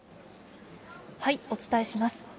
お伝えします。